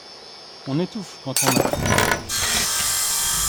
On étouffe, quand on avale comme ça.